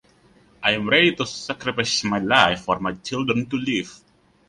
I am ready to sacrifice my life for my children to live.